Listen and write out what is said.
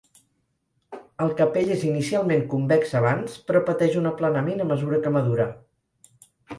El capell és inicialment convex abans, però pateix un aplanament a mesura que madura.